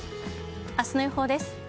明日の予報です。